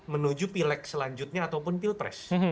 menuju pilek selanjutnya ataupun pilpres